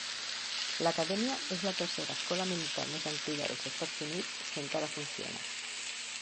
L'acadèmia és la tercera escola militar més antiga dels Estats Units que encara funciona.